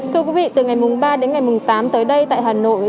thưa quý vị từ ngày mùng ba đến ngày mùng tám tới đây tại hà nội